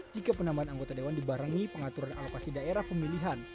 jika penambahan anggota dewan dibarengi pengaturan alokasi daerah pemilihan